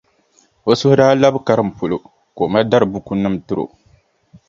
O suhu daa labi karim polo ka o ma dari bukunima n-tiri o.